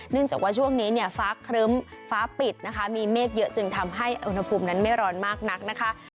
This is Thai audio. เนื่องจากว่าช่วงนี้ฟ้าเคลิ้มฟ้าปิดนะคะมีเมฆเยอะจึงทำให้อุณหภูมินั้นไม่ร้อนมากนะคะ